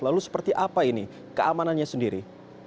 lalu seperti apa ini keamanannya sendiri